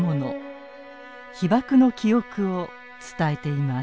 被爆の記憶を伝えています。